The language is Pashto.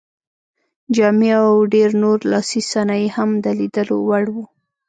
جامې او ډېر نور لاسي صنایع یې هم د لیدلو وړ وو.